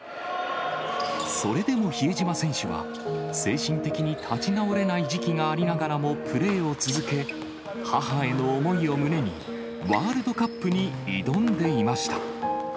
それでも比江島選手は、精神的に立ち直れない時期がありながらもプレーを続け、母への思いを胸に、ワールドカップに挑んでいました。